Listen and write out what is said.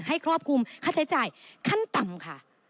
ครอบคลุมค่าใช้จ่ายขั้นต่ำค่ะ